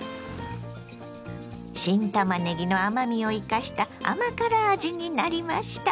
新たまねぎの甘みを生かした甘辛味になりました。